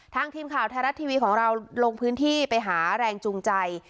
ทีมข่าวไทยรัฐทีวีของเราลงพื้นที่ไปหาแรงจูงใจ